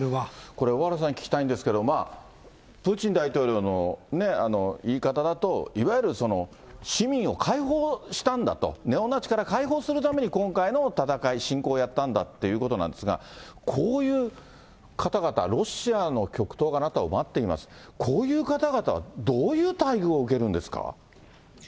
これ、小原さんに聞きたいんですけど、プーチン大統領の言い方だと、いわゆる市民を解放したんだと、ネオナチから解放するために今回の戦い、侵攻をやったんだっていうことなんですが、こういう方々、ロシアの極東があなたを待っています、こういう方々は、どういう待遇を受けるんですか。